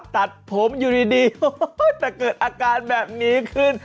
ตัดผมอยู่ดีแต่เกิดอาการแบบนี้ขึ้น